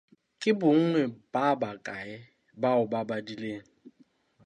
Ke bonngwe ba bakae bao ba badileng?